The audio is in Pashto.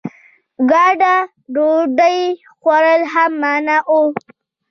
ګډ ډوډۍ خوړل هم منع وو.